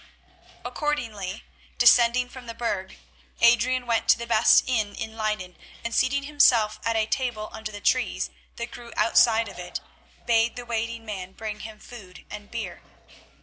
Accordingly, descending from the Burg, Adrian went to the best inn in Leyden, and, seating himself at a table under the trees that grew outside of it, bade the waiting man bring him food and beer.